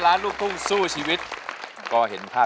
เปลี่ยนเพลงเพลงเก่งของคุณและข้ามผิดได้๑คำ